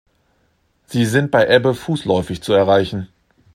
Sie sind bei Ebbe fußläufig zu erreichen.